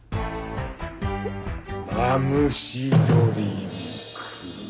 マムシドリンク。